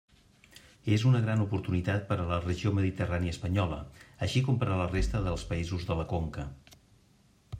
És una gran oportunitat per a la regió mediterrània espanyola, així com per a la resta dels països de la conca.